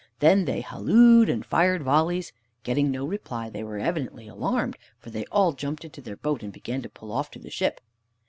Then they hallooed and fired volleys. Getting no reply, they were evidently alarmed, for they all jumped into their boat and began to pull off to the ship.